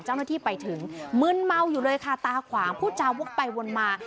เจ้าหน้าที่ไปถึงมึนเมาอยู่เลยค่ะตาขวางผู้จาวกไปวนมา